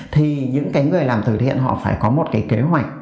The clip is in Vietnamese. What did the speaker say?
thì những người làm từ thiện họ phải có một cái kế hoạch